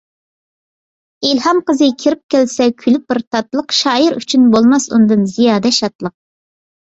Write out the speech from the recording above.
ئىلھام قىزى كىرىپ كەلسە كۈلۈپ بىر تاتلىق، شائىر ئۈچۈن بولماس ئۇندىن زىيادە شادلىق.